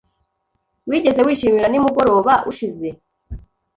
Wigeze wishimira nimugoroba ushize?